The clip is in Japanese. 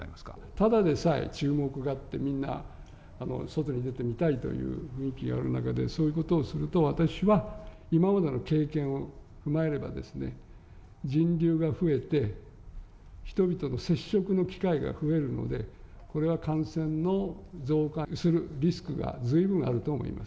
ただでさえ注目があって、みんな外に出てみたいという雰囲気がある中で、そういうことをすると、私は、今までの経験を踏まえればですね、人流が増えて、人々の接触の機会が増えるので、これは感染の増加するリスクが、ずいぶんあると思います。